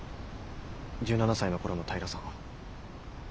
１７才の頃の平さんは。